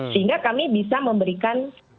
sehingga kami bisa memberikan